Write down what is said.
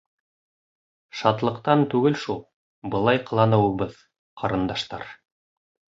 — Шатлыҡтан түгел шул, былай ҡыланыуыбыҙ, ҡарындаштар.